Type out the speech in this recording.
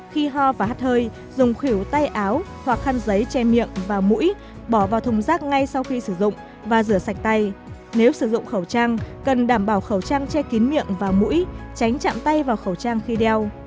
khi ho và hát hơi dùng khỉu tay áo hoặc khăn giấy che miệng và mũi bỏ vào thùng rác ngay sau khi sử dụng và rửa sạch tay nếu sử dụng khẩu trang cần đảm bảo khẩu trang che kín miệng và mũi tránh chạm tay vào khẩu trang khi đeo